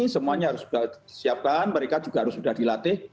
semuanya harus sudah disiapkan mereka juga harus sudah dilatih